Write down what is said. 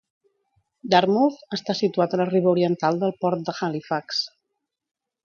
Dartmouth està situat a la riba oriental del port de Halifax.